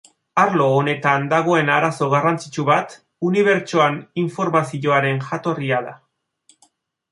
Arlo honetan dagoen arazo garrantzitsu bat, unibertsoan informazioaren jatorria da.